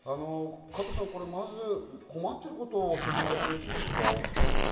まず困っていることを教えてもらってよろしいですか？